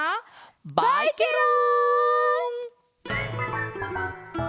バイケロン！